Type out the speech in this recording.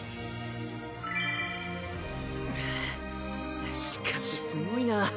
はぁしかしすごいな。